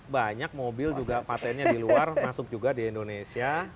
banyak mobil juga patentnya di luar masuk juga di indonesia